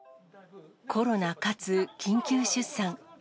コロナかつ緊急出産。